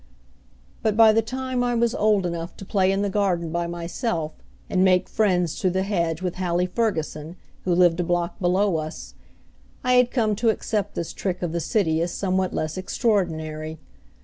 But by the time I was old enough to play in the garden by myself, and make friends through the hedge with Hallie Ferguson, who lived a block below us, I had come to accept this trick of the city as somewhat less extraordinary.